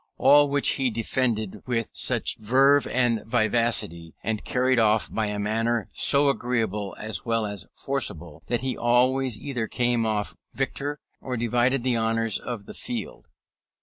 All which, he defended with such verve and vivacity, and carried off by a manner so agreeable as well as forcible, that he always either came off victor, or divided the honours of the field.